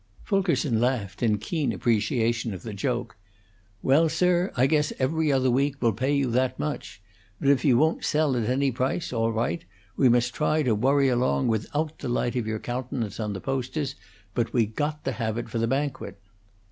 Fulkerson laughed in keen appreciation of the joke. "Well, sir, I guess 'Every Other Week' will pay you that much. But if you won't sell at any price, all right; we must try to worry along without the light of your countenance on the posters, but we got to have it for the banquet."